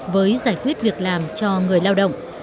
với giải quyết việc làm cho người lao động